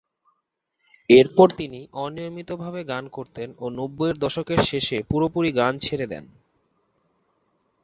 এরপর তিনি অনিয়মিত ভাবে গান করতেন ও নব্বইয়ের দশকের শেষে পুরোপুরি গান ছেড়ে দেন।